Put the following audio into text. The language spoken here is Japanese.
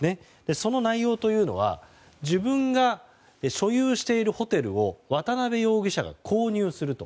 その内容というのは自分が所有しているホテルを渡邉容疑者が購入すると。